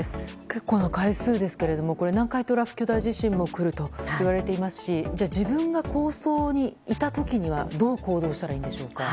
結構な回数ですけど南海トラフ巨大地震も来るといわれていますし自分が高層にいた時にはどう行動したらいいんでしょうか。